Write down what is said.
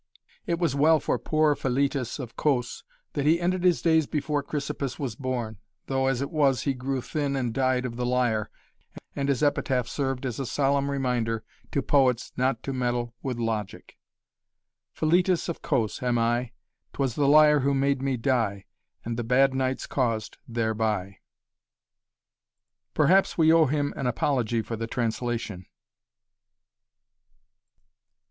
It was well for poor Philetas of Cos that he ended his days before Chrysippus was born, though as it was he grew thin and died of the Liar, and his epitaph served as a solemn reminder to poets not to meddle with logic Philetas of Cos am I 'Twas the Liar who made me die And the bad nights caused thereby. Perhaps we owe him an apology for the translation.